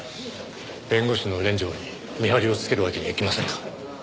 弁護士の連城に見張りをつけるわけにはいきませんか？